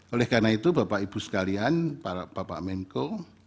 oleh karena itu bapak ibu sekalian bapak menko